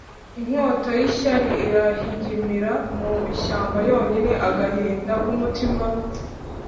Inkota y'ishyari irahigimira mu ishyamba yonyine. -Agahinda ku mutima.